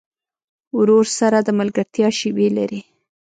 ورور سره د ملګرتیا شیبې لرې.